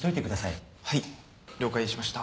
はい了解しました。